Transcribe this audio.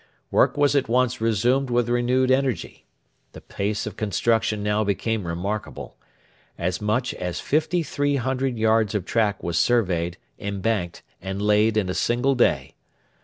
Work was at once resumed with renewed energy. The pace of construction now became remarkable. As much as 5,300 yards of track was surveyed, embanked, and laid in a single day.